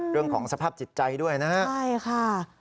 เรื่องของสภาพจิตใจด้วยนะฮะใช่ค่ะ